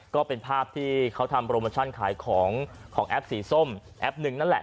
ก็เป็นภาพที่เขาทำโปรโมชั่นขายของของแอปสีส้มแอปหนึ่งนั่นแหละ